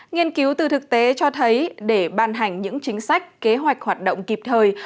nghiên cứu từ thực tế cho thấy để ban hành những chính sách kế hoạch hoạt động kịp thời